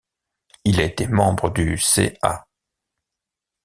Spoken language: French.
Il a été membre du c.a.